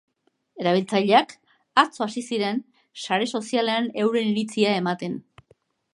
Erabiltzaileak atzo hasi ziren sare sozialean euren iritzia ematen.